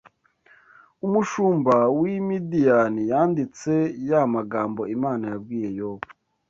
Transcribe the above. umushumba w’i Midiyani yanditse ya magambo Imana yabwiye Yobu.